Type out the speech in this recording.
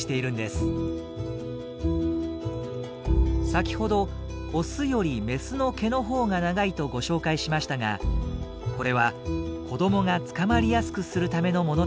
先ほどオスよりメスの毛のほうが長いとご紹介しましたがこれは子どもがつかまりやすくするためのものだったのです。